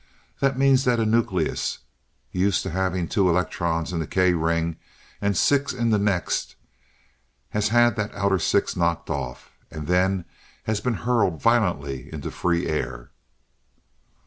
That means that a nucleus used to having two electrons in the K ring, and six in the next, has had that outer six knocked off, and then has been hurled violently into free air.